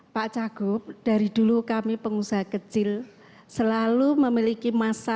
pak cagup dari dulu kami pengusaha kecil selalu memiliki masalah soal permodal